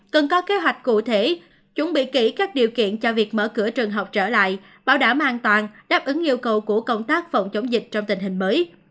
cần có kế hoạch cụ thể chuẩn bị kỹ các điều kiện cho việc mở cửa trường học trở lại bảo đảm an toàn đáp ứng yêu cầu của công tác phòng chống dịch trong tình hình mới